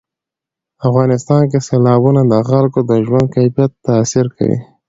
افغانستان کې سیلابونه د خلکو د ژوند کیفیت تاثیر کوي.